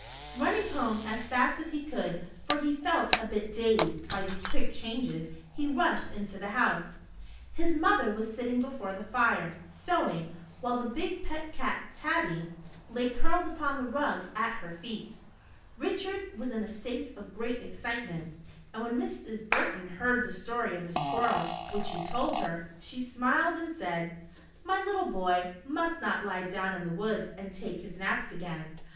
Running home as fast as he could, for he felt What the Squirrel Did for Richard. 103 a bit dazed by these quick changes, he rushed into the house. His mother was sitting before the fire, sewing, while the big pet cat, •* Tabby," lay curled upon the rug at her feet Richard was in a state of great excitement, and when Mrs. Burton heard the story of the squirrel, which he told her, she smiled and said : "My little boy must not lie down in the w^oods and take his naps again."